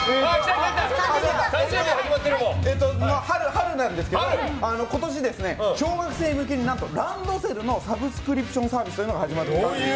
春なんですけど今年、小学生向けに何とランドセルのサブスクリプションサービスが始まったんです。